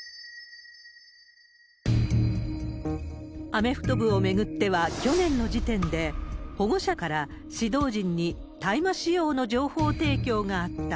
アメフト部を巡っては、去年の時点で、保護者から指導陣に、大麻使用の情報提供があった。